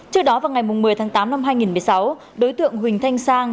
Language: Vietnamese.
trước đó vào ngày một mươi tháng tám năm hai nghìn một mươi sáu đối tượng huỳnh thanh sang